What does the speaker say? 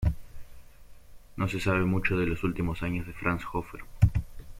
No se sabe mucho de los últimos años de Franz Hofer.